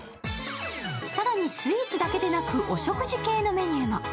更にスイーツだけでなくお食事系のメニューも。